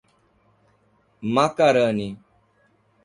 Macarani